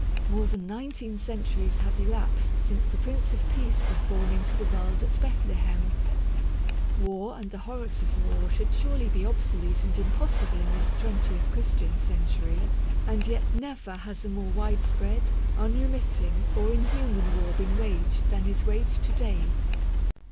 More than nineteen centuries have elapsed since the Prince of Peace was born into the world at Bethlehem. War and the horrors of war should surely be obsolete and impossible in this twentieth Christian century ; and yet never has a more widespread, unremitting, or inhuman war been waged than is waged to day.